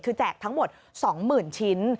คือแจกทั้งหมด๒๐๐๐ชิ้น